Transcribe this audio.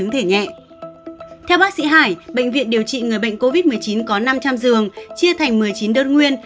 theo bác sĩ hải bệnh viện điều trị người bệnh covid một mươi chín có năm trăm linh giường chia thành một mươi chín đơn nguyên